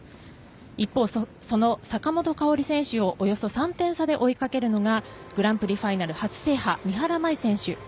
一方、その坂本花織選手をおよそ３点差で追いかけるのがグランプリファイナル初制覇三原舞依選手。